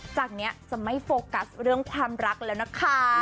จากนี้จะไม่โฟกัสเรื่องความรักแล้วนะคะ